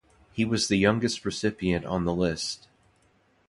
He was the youngest recipient on the list.